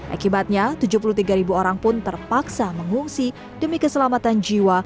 akibatnya tujuh puluh tiga ribu orang pun terpaksa mengungsi demi keselamatan jiwa